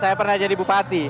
saya pernah jadi bupati